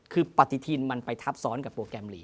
คือปฏิทินมันไปทับซ้อนกับโปรแกรมลีก